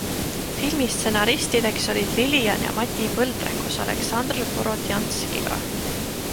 Filmi stsenaristideks olid Lilian ja Mati Põldre koos Aleksandr Borodjanskiga.